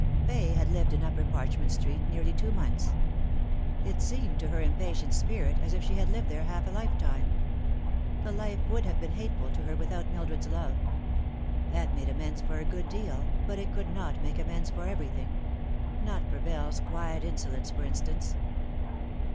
Fay had lived in Upper Parchment Street nearly two months. It seemed to her impatient spirit as if she had lived there half a lifetime. The life would have been hateful to her without Mildred's love. That made amends for a good deal, but it could not make amends for everything ; not for Bell's quiet insolence, for instance.